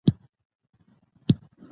ګن شمېر خلک پرې خبرې کوي